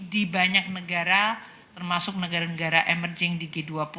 di banyak negara termasuk negara negara emerging di g dua puluh